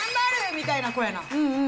みたいな子やな。